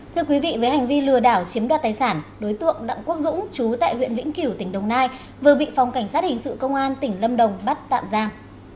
thưa quý vị với hành vi lừa đảo chiếm đoạt tài sản đối tượng đặng quốc dũng chú tại huyện vĩnh kiểu tỉnh đồng nai vừa bị phòng cảnh sát hình sự công an tỉnh lâm đồng bắt tạm giam